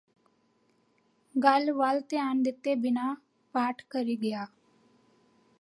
ਗੱਲ ਵੱਲ ਧਿਆਨ ਦਿੱਤੇ ਬਿਨਾਂ ਪਾਠ ਕਰੀ ਗਿਆ